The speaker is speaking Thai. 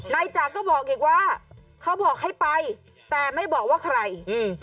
จากก็บอกอีกว่าเขาบอกให้ไปแต่ไม่บอกว่าใครอืม